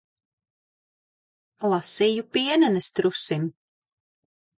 Lasīju pienenes trusim.